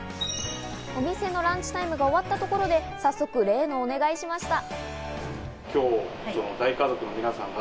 お店のランチタイムが終わったところで、早速、例のお願いをしました。